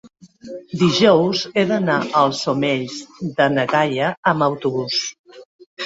dijous he d'anar als Omells de na Gaia amb autobús.